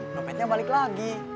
nomernya balik lagi